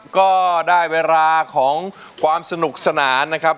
ก็ได้เวลาของความสนุกสนานนะครับ